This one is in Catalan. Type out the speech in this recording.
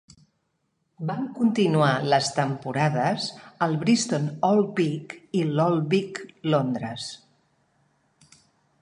Van continuar les temporades al Bristol Old Vic i l'Old Vic, Londres.